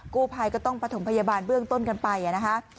กู้ภัยก็ต้องประถมพยาบาลเบื้องต้นกันไปนะคะ